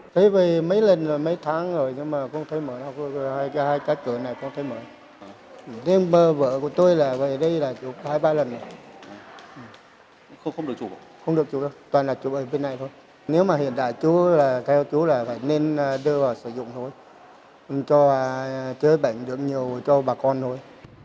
nếu mà hiện đại chú là theo chú là phải nên đưa vào sử dụng thôi cho chứa bệnh được nhiều cho bà con thôi